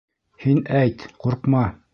Һин әйт, ҡурҡма.